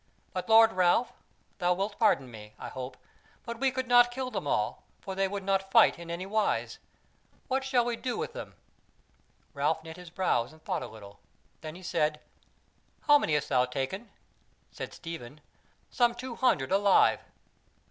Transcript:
But, Lord Ralph, thou wilt pardon me, I hope, but we could not kill them all, for they would not fight in any wise; what shall we do with them?" Ralph knit his brows and thought a little; then he said: "How many hast thou taken?" Said Stephen: "Some two hundred alive."